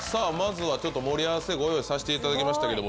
まずは盛り合わせご用意させていただきました。